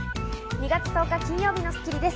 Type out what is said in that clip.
２月１０日、金曜日の『スッキリ』です。